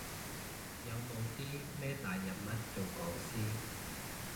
有冇啲咩大人物做講師？